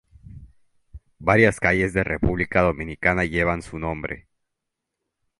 Varias calles de República Dominicana llevan su nombre.